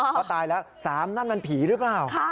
เขาตายแล้ว๓นั่นมันผีหรือเปล่า